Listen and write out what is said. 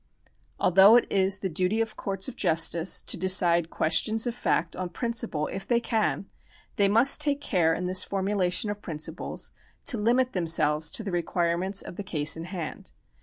^ Although it is the duty of courts of justice to decide questions of fact on principle if they can, they must take care in this formulation of principles to limit themselves to the requirements of the case in hand.